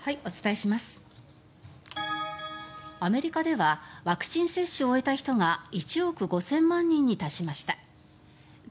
アメリカではワクチン接種を終えた人が１億５０００万人に達しました。